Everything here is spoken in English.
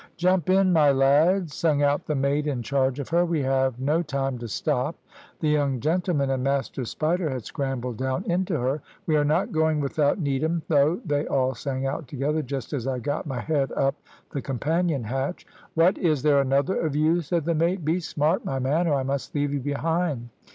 "`Jump in, my lads,' sung out the mate in charge of her; `we have no time to stop.' "The young gentlemen and Master Spider had scrambled down into her. `We are not going without Needham, though,' they all sang out together, just as I got my head up the companion hatch. "`What, is there another of you?' said the mate. `Be smart, my man, or I must leave you behind.'